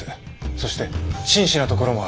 そして真摯なところもある。